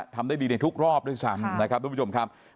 ทำได้ดีในทุกรอบด้วยซ้ำนะครับทุกผู้ชมครับ